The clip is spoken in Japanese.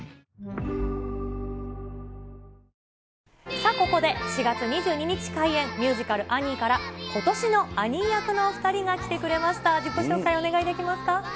さあ、ここで４月２２日開演、ミュージカル、アニーからことしのアニー役のお２人が来てくれました、自己紹介お願いできますか。